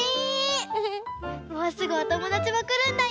もうすぐおともだちもくるんだよ。